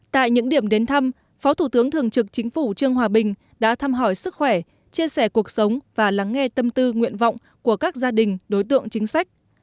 tại những điểm đến thăm phó thủ tướng thường trực chính phủ trương hòa bình đã thăm hỏi sức khỏe chia sẻ cuộc sống và lắng nghe tâm tư nguyện vọng của các gia đình đối tượng chính sách